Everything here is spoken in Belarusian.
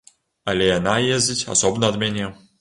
Але яна ездзіць асобна ад мяне.